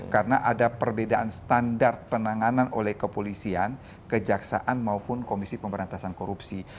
karena ada perbedaan standar penanganan oleh kepolisian kejaksaan maupun komisi pemberantasan korupsi